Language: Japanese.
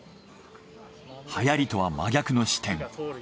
はやりとは真逆の視点。